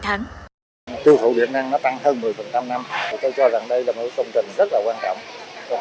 chương trình điện năng tăng hơn một mươi năm tôi cho rằng đây là một công trình rất quan trọng